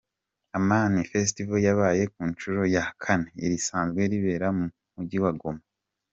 Amani Festival yabaye ku nshuro ya kane, risanzwe ribera mu Mujyi wa Goma.